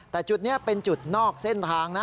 แต่จุดนี้เป็นจุดนอกเส้นทางนะ